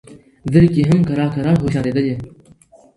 زرکي هم کرار کرار هوښیارېدلې